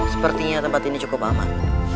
sepertinya tempat ini cukup aman